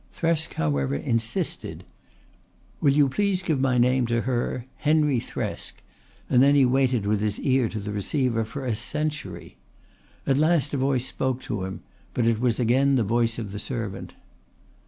Thresk however insisted: "Will you please give my name to her Henry Thresk," and he waited with his ear to the receiver for a century. At last a voice spoke to him, but it was again the voice of the servant.